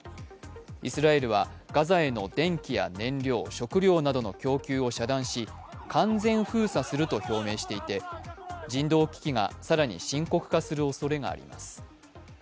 イスラエルはガザへの電気や燃料、食料などの供給を遮断し、完全封鎖すると表明していて人道危機が更に深刻化するおそれがあります。